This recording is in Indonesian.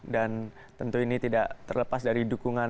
dan tentu ini tidak terlepas dari dukungan